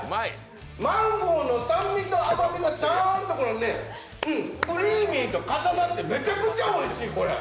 マンゴーの酸味と甘みがちゃんとクリーミーと重なってめちゃめちゃおいしい。